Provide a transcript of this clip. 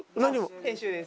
編集です。